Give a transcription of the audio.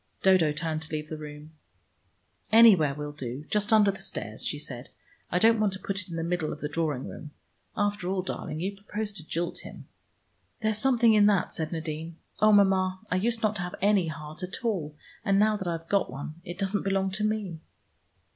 Dodo turned to leave the room. "Anywhere will do. Just under the stairs," she said. "I don't want to put it in the middle of the drawing room. After all, darling, you propose to jilt him." "There's something in that," said Nadine. "Oh, Mama, I used not to have any heart at all, and now that I've got one it doesn't belong to me."